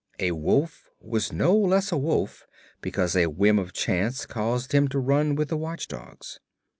A wolf was no less a wolf because a whim of chance caused him to run with the watchdogs.